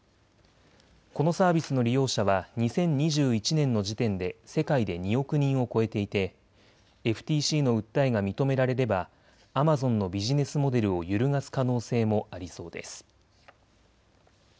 このサービスの利用者は２０２１年の時点で世界で２億人を超えていてＦＴＣの訴えが認められればアマゾンのビジネスモデルを揺るがす可能性もありそうです。